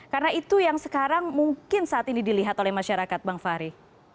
karena itu yang sekarang mungkin saat ini dilihat oleh masyarakat bang fahri